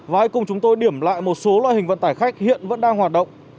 và hãy cùng chúng tôi điểm lại một số loại hình vận tải khách hiện vẫn đang hoạt động